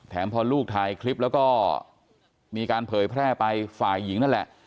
พอลูกถ่ายคลิปแล้วก็มีการเผยแพร่ไปฝ่ายหญิงนั่นแหละ